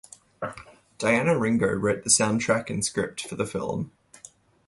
Diana Ringo wrote the soundtrack and script for the film.